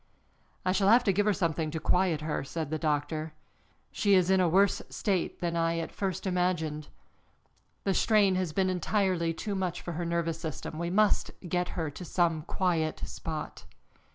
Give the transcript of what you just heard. "I shall have to give her something to quiet her," said the doctor. "She is in a worse state than I at first imagined. The strain has been entirely too much for her nervous system. We must get her to some quiet spot."